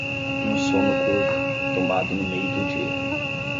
Um sono curto, tomado no meio do dia.